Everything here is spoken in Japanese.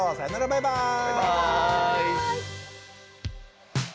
バイバーイ！